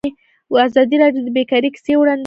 ازادي راډیو د بیکاري کیسې وړاندې کړي.